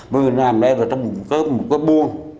bởi vì làm đây là trong một cái buôn